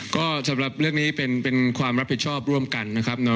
ก็สำหรับเรื่องนี้เป็นความรับผิดชอบร่วมกันนะครับ